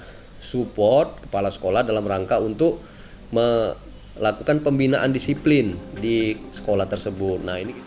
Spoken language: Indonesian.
kita support kepala sekolah dalam rangka untuk melakukan pembinaan disiplin di sekolah tersebut